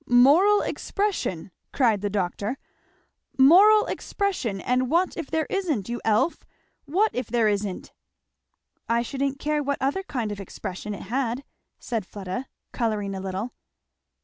"Moral expression!" cried the doctor, "moral expression! and what if there isn't, you Elf! what if there isn't?" "I shouldn't care what other kind of expression it had," said Fleda, colouring a little.